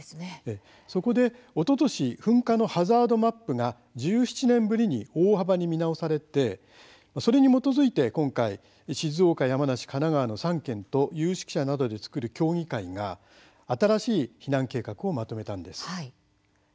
そこで、おととし噴火のハザードマップが１７年ぶりに大幅に見直されてそれに基づいて今回静岡、山梨、神奈川の３県と有識者などで作る協議会が新しい避難計画をまとめたんです。